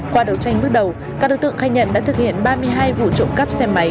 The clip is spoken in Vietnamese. qua đấu tranh bước đầu các đối tượng khai nhận đã thực hiện ba mươi hai vụ trộm cắp xe máy